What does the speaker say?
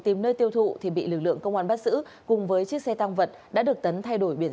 tìm nơi tiêu thụ thì bị lực lượng công an bắt giữ cùng với chiếc xe tăng vật đã được tấn thay đổi biển